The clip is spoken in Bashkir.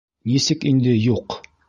— Нисек инде юҡ?